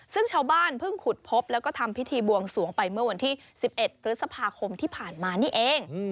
ซึ่งชาวบ้านเพิ่งขุดพบแล้วก็ทำพิธีบวงสวงไปเมื่อวันที่๑๑พฤษภาคมที่ผ่านมานี่เอง